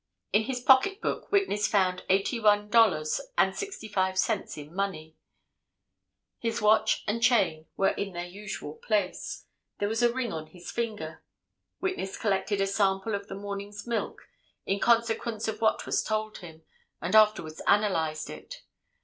In his pocket book witness found eighty one dollars and sixty five cents in money; his watch and chain were in their usual place; there was a ring on his finger; witness collected a sample of the morning's milk, in consequence of what was told him, and afterwards analyzed it.